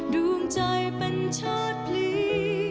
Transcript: ดวงใจเป็นชาติพลี